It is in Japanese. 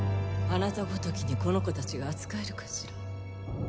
あなたごときにこの子達が扱えるかしら？